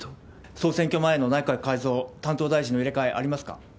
総選挙前の内閣の改造、担当大臣の入れ替え、ありますか？